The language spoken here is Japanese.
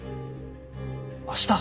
明日？